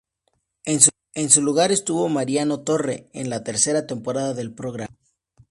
En su lugar estuvo Mariano Torre, en la tercera temporada del programa.